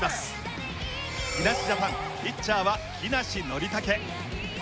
木梨ジャパンピッチャーは木梨憲武。